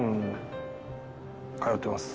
通ってます。